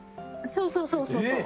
「そうそうそうそう。